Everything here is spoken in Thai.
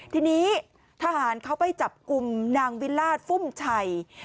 ทีนี้ทหารเขาไปจับกลุ่มนางวิราชฟุ่มชัย